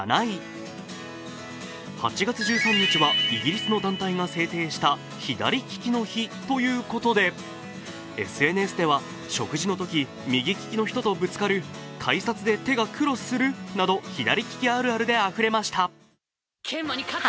８月１３日はイギリスの団体が制定した左利きの日ということで、ＳＮＳでは食事のとき右利きの人とぶつかる、改札で手がクロスするなど左利きあるあるであふれました。